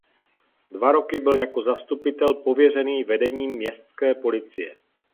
Dva roky byl jako zastupitel pověřený vedením městské policie.